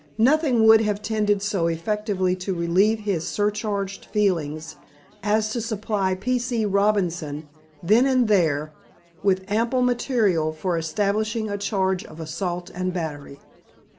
Nothing would have tended so effectively to relieve his surcharged feelings as to supply P. C. Robinson then and there with ample material for establishing a charge of assault and battery.